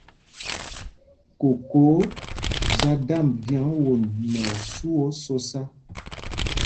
Koko za damb vyaŋ won nɛ osu o sɔsa.